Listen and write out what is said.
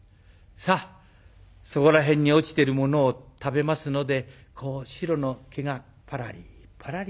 さあそこら辺に落ちてるものを食べますのでこう白の毛がぱらりぱらり。